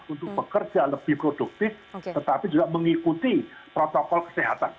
untuk bekerja lebih produktif tetapi juga mengikuti protokol kesehatan